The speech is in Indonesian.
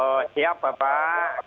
oh siap pak